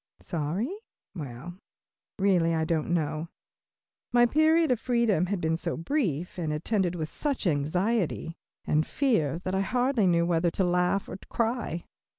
Sorry? Well, really I don't know. My period of freedom had been so brief, and attended with such anxiety and fear, that I hardly knew whether to laugh or cry.